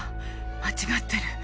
間違ってる。